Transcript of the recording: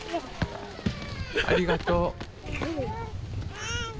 ありがとう。